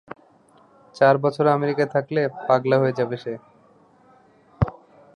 চার বছর আমেরিকায় থাকলে পাগলা হয়ে যাবে সে!